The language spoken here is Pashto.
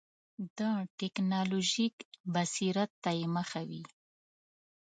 د ټکنالوژیک بصیرت ته یې مخه وي.